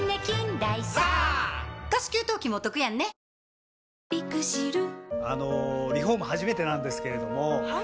ニトリあのリフォーム初めてなんですけれどもはい。